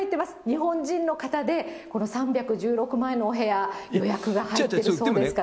日本人の方で、この３１６万円のお部屋、予約が入っているそうですから。